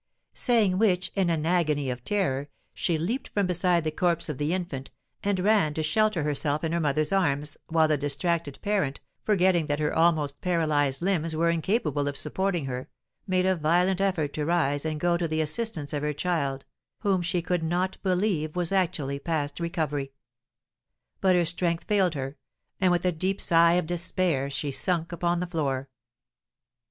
Saying which, in an agony of terror, she leaped from beside the corpse of the infant, and ran to shelter herself in her mother's arms, while the distracted parent, forgetting that her almost paralysed limbs were incapable of supporting her, made a violent effort to rise and go to the assistance of her child, whom she could not believe was actually past recovery; but her strength failed her, and with a deep sigh of despair she sunk upon the floor.